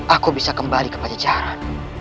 aku bisa kembali ke panjajaran